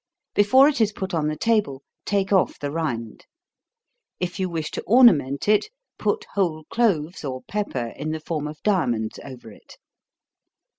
Before it is put on the table, take off the rind. If you wish to ornament it, put whole cloves, or pepper, in the form of diamonds, over it.